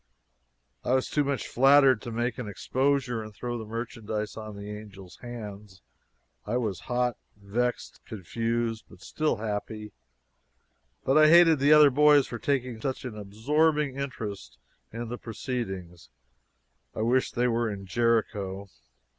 I was too much flattered to make an exposure and throw the merchandise on the angel's hands. I was hot, vexed, confused, but still happy; but I hated the other boys for taking such an absorbing interest in the proceedings. I wished they were in Jericho.